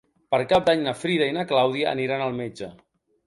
Per Cap d'Any na Frida i na Clàudia aniran al metge.